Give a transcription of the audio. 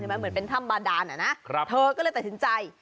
เหมือนเป็นถ้ำบาดานอะนะเธอก็เลยตัดสินใจ